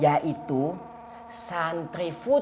yaitu santri futi